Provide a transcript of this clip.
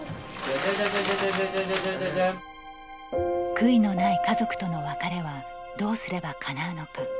悔いのない家族との別れはどうすればかなうのか。